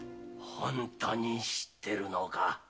本当に知ってるのか？